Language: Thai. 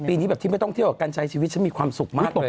แต่รู้สึกว่าปีนี้ต้องเที่ยวกับการใช้ชีวิตฉันมีความสุขมากเลย